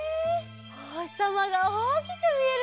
おほしさまがおおきくみえるね。